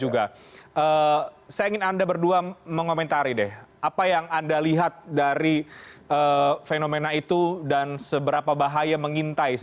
was was ketakutan dan khawatir